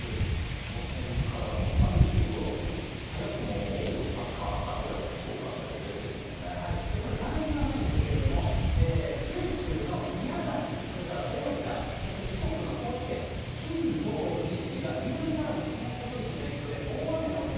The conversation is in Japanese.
この辺から３５度っていうの、早くももう大阪、名古屋、これ、画面にはないんですけれども、九州の宮崎、それから大分、そして四国の高知県、金土日が、南からの湿った空気の影響で、また。